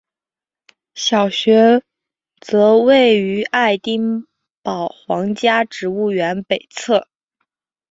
小学则位于爱丁堡皇家植物园北侧。